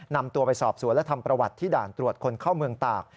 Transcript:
นำตัวไปสอบสวนและทำประวัติที่ด่านตรวจคนเข้าเมืองตาก